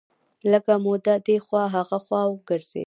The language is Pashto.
لږه موده دې خوا ها خوا وګرځېد.